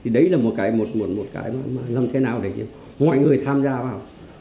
đấy là một cái làm thế nào để cho mọi người tham gia vào